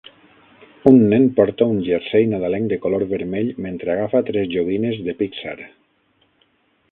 Un nen porta un jersei nadalenc de color vermell mentre agafa tres joguines de Pixar.